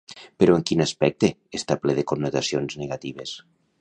Però en quin aspecte està ple de connotacions negatives?